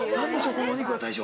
このお肉は、大将。